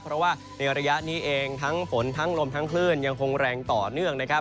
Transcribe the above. เพราะว่าในระยะนี้เองทั้งฝนทั้งลมทั้งคลื่นยังคงแรงต่อเนื่องนะครับ